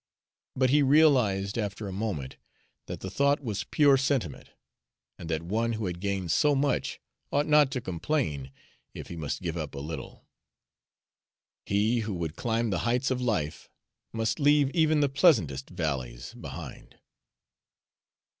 But he realized, after a moment, that the thought was pure sentiment, and that one who had gained so much ought not to complain if he must give up a little. He who would climb the heights of life must leave even the pleasantest valleys behind.